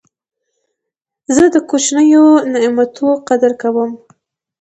زه د کوچنیو نعمتو قدر کوم.